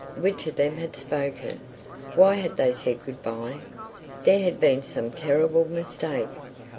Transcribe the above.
Which of them had spoken? Why had they said good bye? There had been some terrible mistake.